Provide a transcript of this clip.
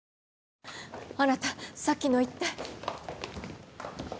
あなたさっきのはいったい。